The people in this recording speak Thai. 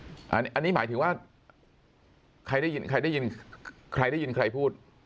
อันนี้หมายถึงว่าใครได้ยินใครได้ยินใครได้ยินใครพูด